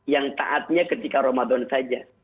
yang taatnya ketika ramadan saja